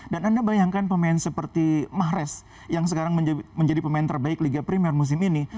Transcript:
dan anda bayangkan pemain seperti mahrez yang sekarang menjadi pemain terbaik liga primer musim ini